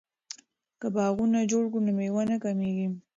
که باغونه جوړ کړو نو میوه نه کمیږي.